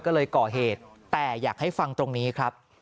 ก็เลยก่อเหตุแต่อยากให้ฟังตรงนี้ครับ